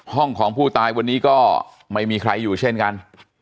ของผู้ตายวันนี้ก็ไม่มีใครอยู่เช่นกัน